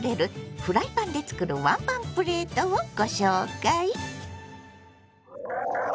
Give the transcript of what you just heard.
フライパンで作るワンパンプレートをご紹介！